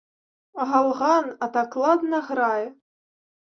Галган, а так ладна грае.